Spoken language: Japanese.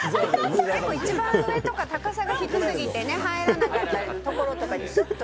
一番上とか、高さが低すぎて入らなかった所とかに置くと。